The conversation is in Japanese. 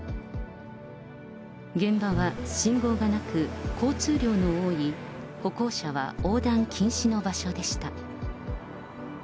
現場は信号がなく、交通量の多い、歩行者は横断禁止の場所でした。